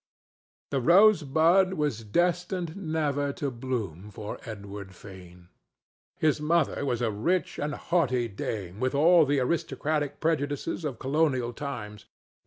The rosebud was destined never to bloom for Edward Fane. His mother was a rich and haughty dame with all the aristocratic prejudices of colonial times.